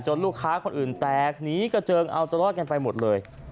ลูกค้าคนอื่นแตกหนีกระเจิงเอาตลอดกันไปหมดเลย